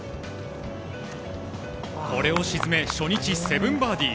これを沈め、初日７バーディー。